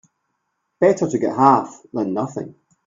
Better to get half than nothing.